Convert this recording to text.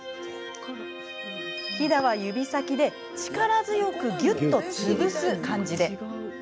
ひだは、指先で力強くぎゅっと潰す感じで。